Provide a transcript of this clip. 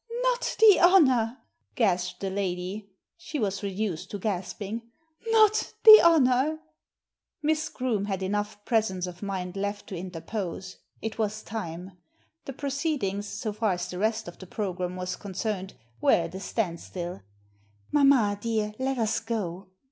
"Not the honour!" gasped the lady. She was reduced to gasping. "Not the honour!" Miss Groome had enough presence of mind left to interpose. It was time. The proceedings, so far as the rest of the programme was concerned, were at a standstill. "Mamma, dear, let us go."